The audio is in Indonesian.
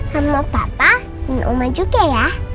sama papa dan umi juga ya